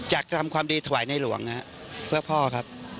อยากจะทำความดีถวายในหลวงเพื่อพ่อครับ